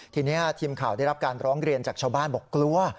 ทีนี้ทีมข่าวได้รับการร้องเรียนจากชาวบ้านบอกกลัว